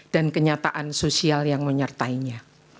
dan kenyataan sosial yang menyertainya